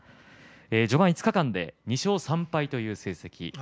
序盤５日間で２勝３敗という成績です。